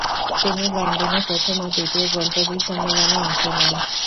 তিনি লন্ডনে প্রথম ও দ্বিতীয় গোল টেবিল সম্মেলনে অংশ নেন।